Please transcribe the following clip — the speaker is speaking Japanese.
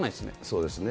そうですね。